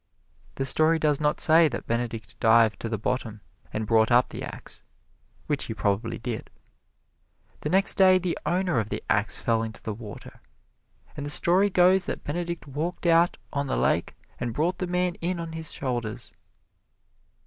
The story does not say that Benedict dived to the bottom and brought up the ax, which he probably did. The next day the owner of the ax fell into the water, and the story goes that Benedict walked out on the water and brought the man in on his shoulders.